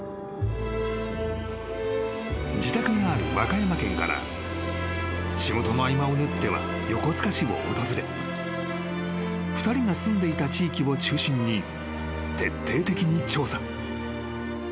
［自宅がある和歌山県から仕事の合間を縫っては横須賀市を訪れ２人が住んでいた地域を中心に徹底的に調査］